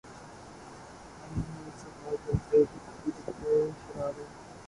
نہیں ھیں سوا جلتے بجھتے شرارے